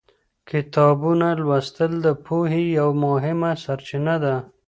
کتابونه لوستل د پوهې یوه مهمه سرچینه ده.